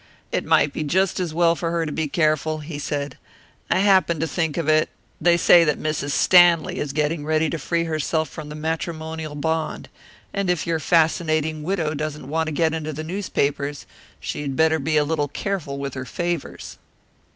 "It might be just as well for her to be careful," he said. "I happened to think of it they say that Mrs. Stanley is getting ready to free herself from the matrimonial bond; and if your fascinating widow doesn't want to get into the newspapers, she had better be a little careful with her favours."